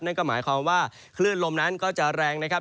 นั่นก็หมายความว่าคลื่นลมนั้นก็จะแรงนะครับ